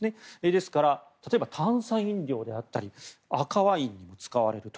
ですから、例えば炭酸飲料であったり赤ワインにも使われると。